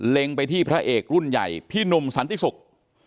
ไปที่พระเอกรุ่นใหญ่พี่หนุ่มสันติศุกร์